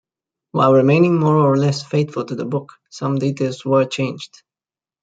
While remaining more or less faithful to the book, some details were changed.